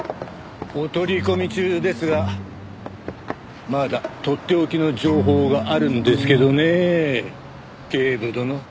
お取り込み中ですがまだとっておきの情報があるんですけどねえ警部殿。